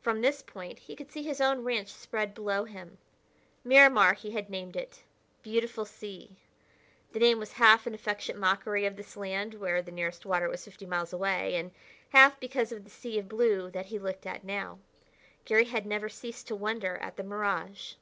From this point he could see his own ranch spread below him. Miramar, he had named it "Beautiful Sea." The name was half an affectionate mockery of this land where the nearest water was fifty miles away, and half because of the sea of blue that he looked at now. Garry had never ceased to wonder at the mirage.